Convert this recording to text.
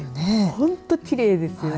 本当、きれいですよね。